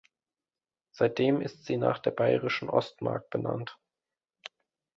Seitdem ist sie nach der Bayerischen Ostmark benannt.